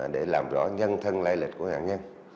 để làm rõ nhân thân lai lịch của nạn nhân